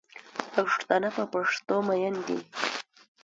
پښتانه په پښتو میین دی